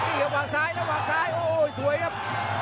นี่นะครับวางซ้ายวางซ้ายโอ๊ยที่สวยครับ